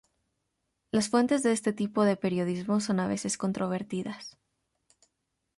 Las fuentes de este tipo de periodismo son a veces controvertidas.